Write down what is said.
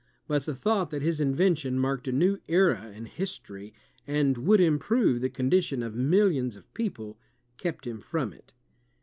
But the thought that his invention marked a new era in history, and would improve the condition of millions of pe(q)le, kept him from it.